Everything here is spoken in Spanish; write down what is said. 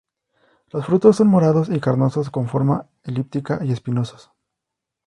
Los frutos son morados y carnosos con forma elíptica y espinosos.